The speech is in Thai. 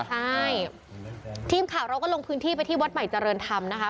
ใช่ทีมข่าวเราก็ลงพื้นที่ไปที่วัดใหม่เจริญธรรมนะคะ